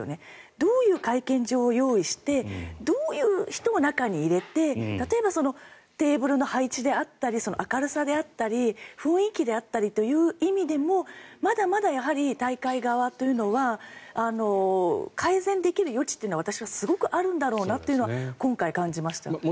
どういう会見場を用意してどういう人を中に入れて例えばテーブルの配置であったり明るさであったり雰囲気であったりという意味でもまだまだやはり大会というのは改善できる余地というのは私はすごくあるんだろうなというのは今回感じました。